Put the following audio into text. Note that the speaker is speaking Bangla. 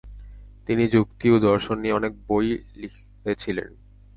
তিনি যুক্তি ও দর্শন নিয়ে অনেক বই লিখেছিলেন।